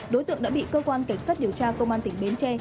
đối tượng đã bị cơ quan cảnh sát điều tra công an tỉnh bến tre